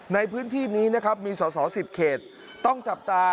ในพื้นที่นี้นะครับมีสอสอ๑๐เขตต้องจับตา